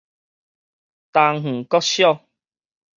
東園國小